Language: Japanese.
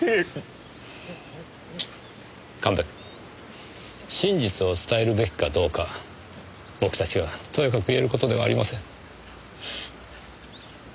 神戸君真実を伝えるべきかどうか僕達がとやかく言える事ではありません。